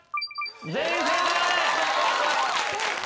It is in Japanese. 全員正解。